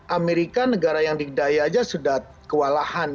amerika negara yang di daya aja sudah kewalahan